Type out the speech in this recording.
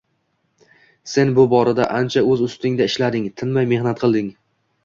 Sen bu orada ancha o‘z ustingda ishlading, tinmay mehnat qilding.